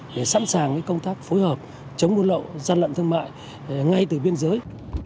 để sẵn sàng công tác phối hợp chống buôn lậu gian lận thương mại ngay từ biên giới